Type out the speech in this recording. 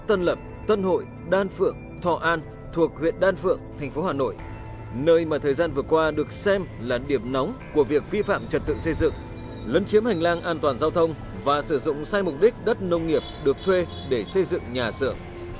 đây là địa bàn các xã tân lập tân hội đan phượng thọ an thuộc huyện đan phượng thành phố hà nội nơi mà thời gian vừa qua được xem là điểm nóng của việc vi phạm trật tự xây dựng lấn chiếm hành lang an toàn giao thông và sử dụng sai mục đích đất nông nghiệp được thuê để xây dựng nhà sở